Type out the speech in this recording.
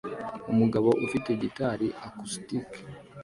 Umugabo ufite gitari acoustic